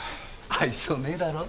愛想ねえだろ？